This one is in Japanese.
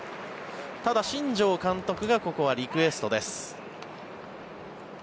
ただ、新庄監督がここはリクエストです。